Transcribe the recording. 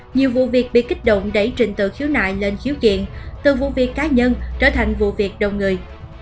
nhiều vụ việc bị kích động đẩy trình tự khiếu nại lên khiếu kiện từ vụ việc cá nhân trở thành vụ việc đầu người